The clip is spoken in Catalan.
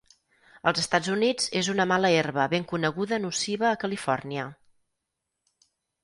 Als Estats Units és una mala herba ben coneguda nociva a Califòrnia.